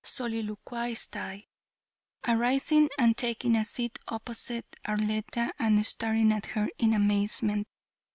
soliloquized I, arising and taking a seat opposite Arletta and staring at her in amazement.